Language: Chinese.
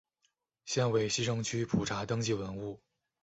现为西城区普查登记文物。